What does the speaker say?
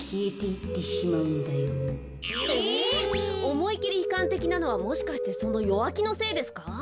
おもいきりひかんてきなのはもしかしてその弱木のせいですか？